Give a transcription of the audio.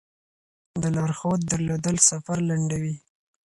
د لارښود درلودل سفر لنډوي.